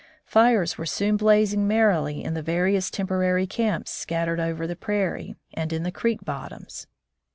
Fires were soon blazing merrily in the va rious temporary camps scattered over the prairie and in the creek bottoms, and after 80